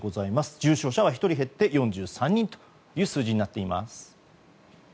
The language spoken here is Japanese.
重症者は１人減って４３人という数字になっています。